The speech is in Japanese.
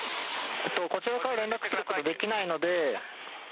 こちらからは連絡することできないので。